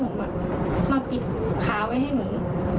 แล้วก็เอาผ้าหงมาปิดขาไว้ให้หนู